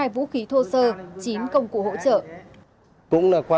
hai mươi hai vũ khí thô sơ chín công cụ hỗ trợ